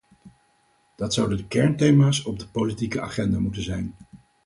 Dat zouden de kernthema's op de politieke agenda moeten zijn.